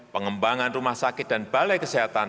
pengembangan rumah sakit dan balai kesehatan